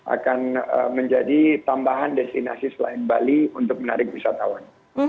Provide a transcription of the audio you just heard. akan menjadi tambahan destinasi selain bali untuk menarik wisatawan